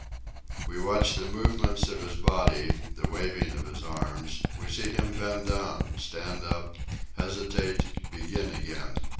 We watch the movements of his body, the waving of his arms, we see him bend down, stand up, hesitate, begin again.